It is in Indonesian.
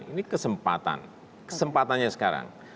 ini kesempatan kesempatannya sekarang